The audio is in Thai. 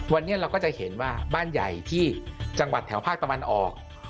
วันนี้เราก็จะเห็นว่าบ้านใหญ่ที่จังหวัดแถวภาคตะวันออก